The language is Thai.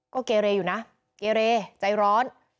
ก็เกเรอยู่นะเกเรใจร้อน